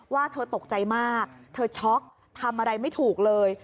ว่าเธอตกใจมากเธอช็อกทำอะไรไม่ถูกเลย